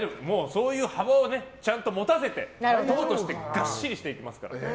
そういう幅をちゃんと持たせて党としてがっしりしていきますから。